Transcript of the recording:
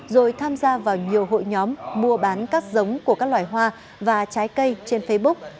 rồi tham gia vào nhiều hội nhóm mua bán các giống của các loài hoa và trái cây trên facebook